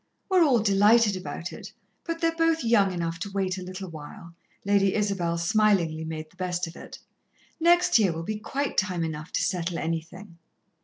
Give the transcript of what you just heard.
We're all delighted about it, but they're both young enough to wait a little while," Lady Isabel smilingly made the best of it. "Next year will be quite time enough to settle anything."